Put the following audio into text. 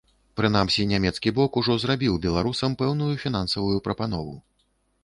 Прынамсі, нямецкі бок ужо зрабіў беларусам пэўную фінансавую прапанову.